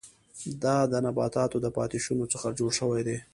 دا د نباتاتو د پاتې شونو څخه جوړ شوي دي.